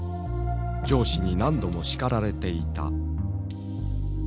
上司に何度も叱られていた。